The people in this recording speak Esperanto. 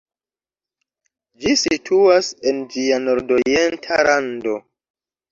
Ĝi situas en ĝia nordorienta rando.